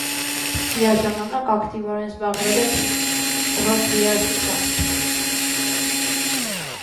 Միաժամանակ ակտիվորեն զբաղվել է ռոք երաժշտությամբ։